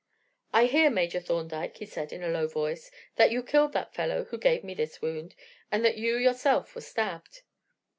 "'I hear, Major Thorndyke,' he said in a low voice, 'that you killed that fellow who gave me this wound, and that you yourself were stabbed.'